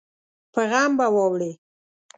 په غم به واوړې